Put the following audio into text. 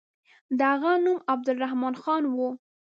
د هغه نوم عبدالرحمن خان وو.